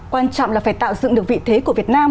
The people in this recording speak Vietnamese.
quan trọng là phải tạo dựng được vị thế của việt nam